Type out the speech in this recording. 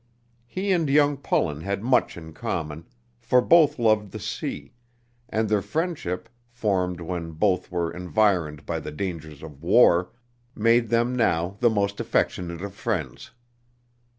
He and young Pullen had much in common, for both loved the sea, and their friendship, formed when both were environed by the dangers of war, made them now the most affectionate of friends.